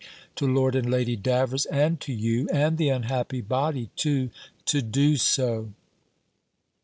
to Lord and Lady Davers, and to you, and the unhappy body too, to do so."